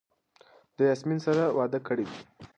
ده د یاسمین سره واده کړی دی.